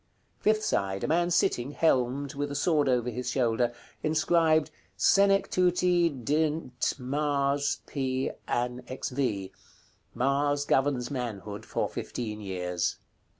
Fifth side. A man sitting, helmed, with a sword over his shoulder. Inscribed "SENECTUTI DNT MARS. P. AN. XV." Mars governs manhood for fifteen years.